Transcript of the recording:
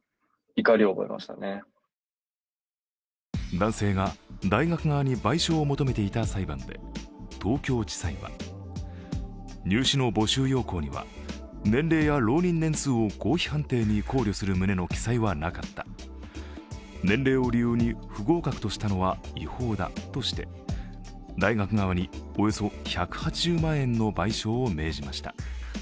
男性が大学側に賠償を求めていた裁判で東京地裁は、入試の募集要項には年齢や浪人年数を合否判定に考慮する旨の記載はなかった、年齢を理由に不合格としたのは違法だとして大学側におよそ１８０万円の賠償を命じました。